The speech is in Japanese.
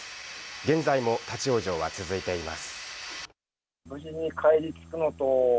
現在も立ち往生は続いています。